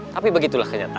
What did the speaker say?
tapi begitulah kenyataan